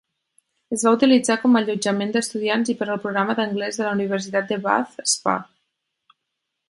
Es va utilitzar com a allotjament d'estudiants i per al Programa d'anglès de la Universitat de Bath Spa.